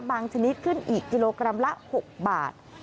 ชนิดขึ้นอีกกิโลกรัมละ๖บาท